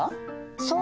そう。